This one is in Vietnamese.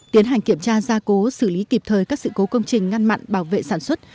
tiến hành kiểm tra gia cố xử lý kịp thời các sự cố công trình ngăn mặn bảo vệ sản xuất